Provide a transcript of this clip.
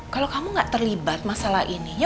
kalau kamu gak terlibat masalah ini